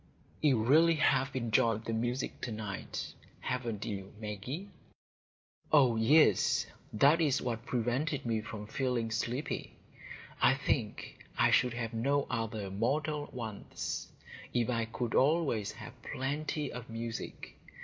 "You really have enjoyed the music to night, haven't you Maggie?" "Oh yes, that is what prevented me from feeling sleepy. I think I should have no other mortal wants, if I could always have plenty of music.